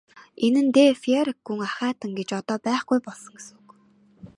Энэ нь де Пейрак гүн ахайтан гэж одоо байхгүй болсон гэсэн үг.